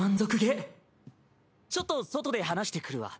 ちょっと外で話してくるわ。